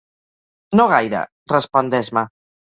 No gaire —respon d'esma—.